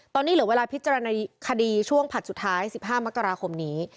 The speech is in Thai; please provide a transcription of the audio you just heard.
ตอนนี้เหลือเวลาพิจารณาคดีช่วงผลัดสุดท้าย๑๕มกราคมนี้